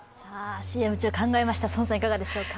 ＣＭ中考えました宋さん、いかがでしょうか。